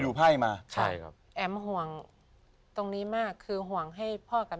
ดูตามดวงครับ